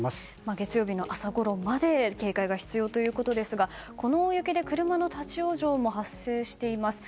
月曜日の朝ごろまで警戒が必要ということですがこの大雪で車の立ち往生も発生しています。